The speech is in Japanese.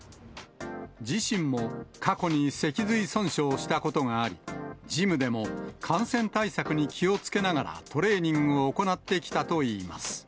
自身も過去に脊髄損傷したことがあり、ジムでも、感染対策に気をつけながら、トレーニングを行ってきたといいます。